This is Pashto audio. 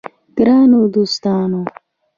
ګرانو دوستانو!